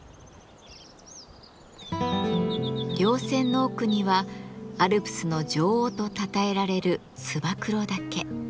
稜線の奥にはアルプスの女王とたたえられる燕岳。